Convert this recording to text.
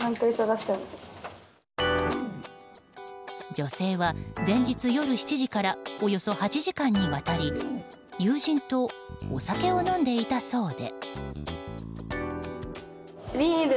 女性は前日夜７時からおよそ８時間にわたり友人とお酒を飲んでいたそうで。